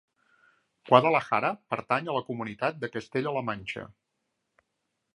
Guadalajara pertany a la comunitat de Castella-La Manxa.